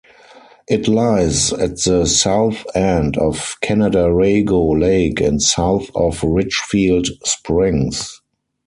It lies at the south end of Canadarago Lake and south of Richfield Springs.